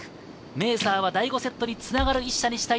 メーサーは第５セットにつながる１射にしたい。